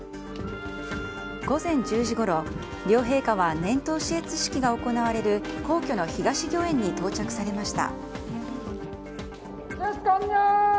午前１０時ごろ両陛下は年頭視閲式が行われる皇居の東御苑に到着されました。